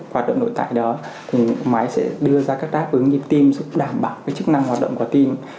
hoạt động nội tại đó thì máy sẽ đưa ra các đáp ứng nhịp tim giúp đảm bảo chức năng hoạt động của team